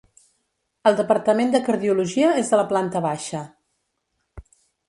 El departament de cardiologia és a la planta baixa.